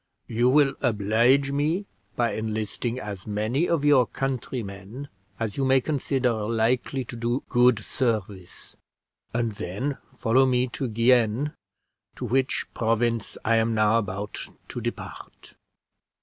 You will oblige me by enlisting as many of your countrymen as you may consider likely to do good service, and then follow me to Guienne, to which province I am now about to depart.